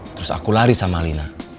terus aku lari sama lina